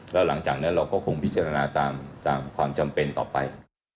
แล้วหลังจากนั้นเราก็คงพิจารณาตามความจำเป็นต่อไป